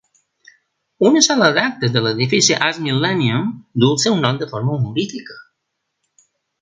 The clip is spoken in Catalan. Una sala d"actes de l'edifici Arts Millennium du el seu nom de forma honorífica.